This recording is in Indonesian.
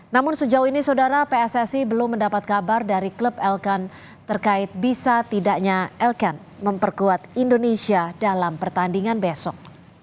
namun sejauh ini saudara pssi belum mendapat kabar dari klub elkan terkait bisa tidaknya elkan memperkuat indonesia dalam pertandingan besok